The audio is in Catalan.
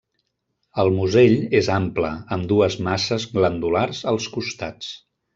El musell és ample, amb dues masses glandulars als costats.